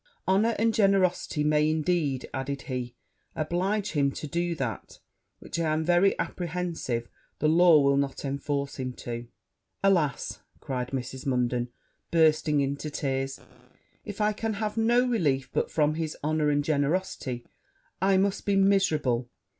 'Honour and generosity may, indeed,' added he, 'oblige him to do that which, I am very apprehensive, the law will not enforce him to.' 'Alas!' cried Mrs. Munden, bursting into tears, 'if I can have no relief but from his honour and generosity, I must be miserable!'